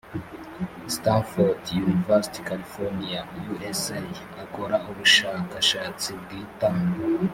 stanford university california usa akora ubushakashatsi bwita